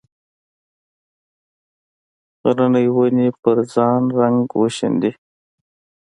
غرنې ونې پر ځان رنګ وشیندي